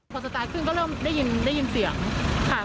พอสไตล์ขึ้นก็เริ่มได้ยินเสียงค่ะ